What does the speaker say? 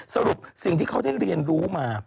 สรุปสิ่งที่เขาได้เรียนรู้มา